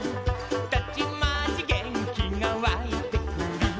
「たちまち元気がわいてくる」